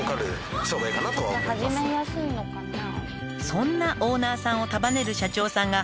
「そんなオーナーさんを束ねる社長さんが」